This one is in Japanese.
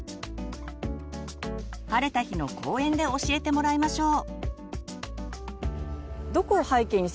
晴れた日の公園で教えてもらいましょう。